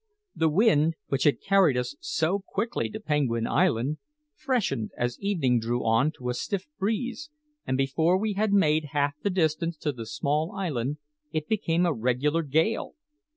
The wind, which had carried us so quickly to Penguin Island, freshened as evening drew on to a stiff breeze, and before we had made half the distance to the small island, it became a regular gale.